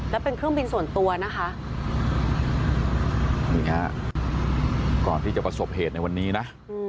แล้วเป็นเครื่องบินส่วนตัวนะคะนี่ฮะก่อนที่จะประสบเหตุในวันนี้นะ